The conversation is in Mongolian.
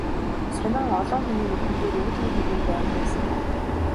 Сонин олон хүний нүдэн дээр үүдний танхимд байрлуулсан байна.